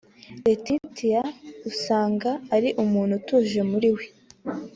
Laetitia usanga ari umuntu utuje muri we